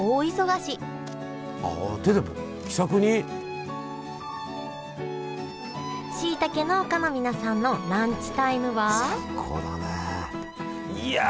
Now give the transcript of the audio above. しいたけ農家の皆さんのランチタイムはいや！